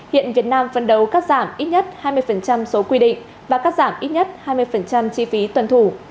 hiện việt nam phân đấu cắt giảm ít nhất hai mươi số quy định và cắt giảm ít nhất hai mươi chi phí tuân thủ